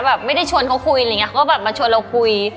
แบบไม่ได้ชวนเค้าคุยอะไรงี้มันแต่มีมาชวนเราคุย